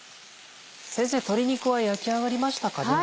先生鶏肉は焼き上がりましたかね？